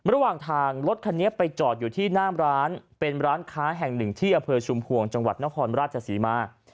ระหว่างทางรถคันนี้ไปจอดอยู่ที่หน้าร้านเป็นร้านค้าแห่งหนึ่งที่อำเภอชุมพวงจังหวัดนครราชศรีมา